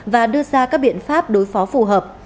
và đưa ra các biện pháp đối phó phù hợp